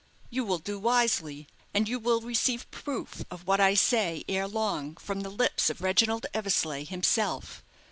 "You will do wisely, and you will receive the proof of what I say ere long from the lips of Reginald Eversleigh himself.